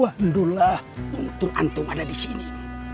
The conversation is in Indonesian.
waduh lah untung antum ada di sini